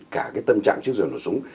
cả tâm trạng trước giờ nổ súng